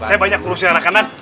saya banyak kursi anak anak